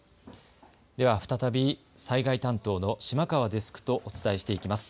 では再び災害担当の島川デスクとお伝えしていきます。